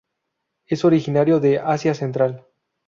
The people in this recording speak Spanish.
Es originario de Asia central.